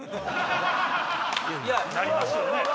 なりますよね。